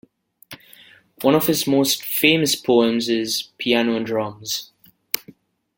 One of his most famous poems is "Piano and Drums".